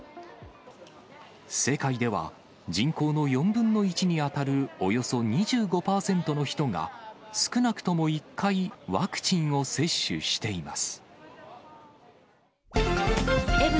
世界では人口の４分の１に当たるおよそ２５％の人が、少なくとも１回、ワクチンを接種しています。